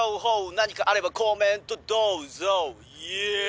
何かあればコメントどうぞイェ。